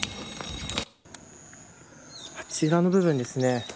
あちらの部分ですね。